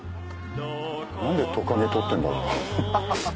何でトカゲ撮ってんだろう。